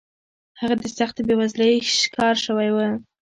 هغه د سختې بېوزلۍ ښکار شوی و